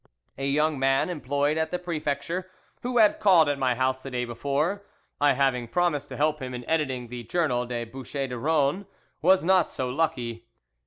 "A young man, employed at the Prefecture, who had called at my house the day before, I having promised to help him in editing the Journal des Bouches du Rhone, was not so lucky.